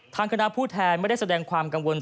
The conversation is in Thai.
คณะผู้แทนไม่ได้แสดงความกังวล